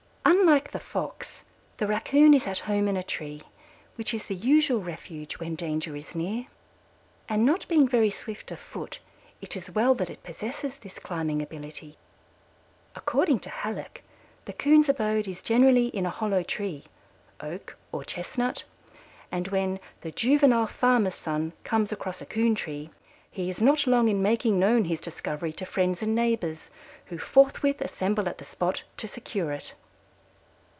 Unlike the Fox, the Raccoon is at home in a tree, which is the usual refuge when danger is near, and not being very swift of foot, it is well that it possesses this climbing ability. According to Hallock, the Coons' abode is generally in a hollow tree, oak or chestnut, and when the "juvenile farmer's son comes across a Coon tree, he is not long in making known his discovery to friends and neighbors, who forthwith assemble at the spot to secure it."